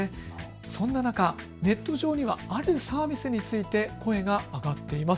そんな中、ネット上にはあるサービスについて声が上がっています。